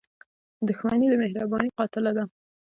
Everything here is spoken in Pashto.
• دښمني د مهربانۍ قاتله ده.